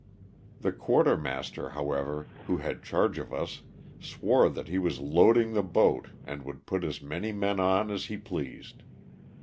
The quartermaster, however, who had charge of us, swore that he was loading the boat and would put as many men on as he pleased.